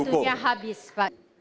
waktunya habis pak